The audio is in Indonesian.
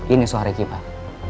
ini seoha reki pak